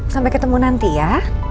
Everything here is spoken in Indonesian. sampai ketemu nanti ya